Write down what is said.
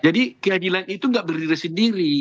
jadi keadilan itu gak berdiri sendiri